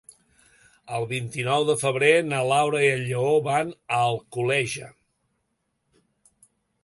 El vint-i-nou de febrer na Laura i en Lleó van a Alcoleja.